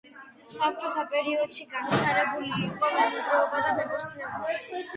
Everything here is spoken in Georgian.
საბჭოთა პერიოდში გავითარებული იყო მემინდვრეობა და მებოსტნეობა.